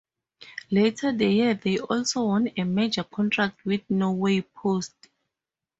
Later the year they also won a major contract with Norway Post.